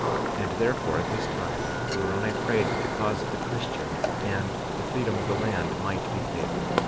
46:16 And therefore, at this time, Moroni prayed that the cause of the Christians, and the freedom of the land might be favored.